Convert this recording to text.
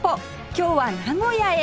今日は名古屋へ